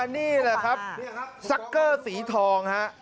นี่แหละครับซักเกอร์สีทองฮะ